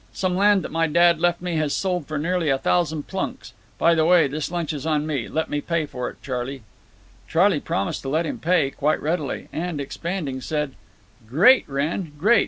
Some land that my dad left me has sold for nearly a thousand plunks. By the way, this lunch is on me. Let me pay for it, Charley." Charley promised to let him pay, quite readily. And, expanding, said: "Great, Wrenn! Great!